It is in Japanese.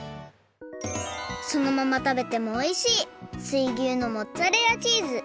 そのまま食べてもおいしい水牛のモッツァレラチーズ！